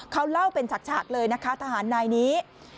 เขาเล่าเป็นฉากเลยนะคะทหารนายนี้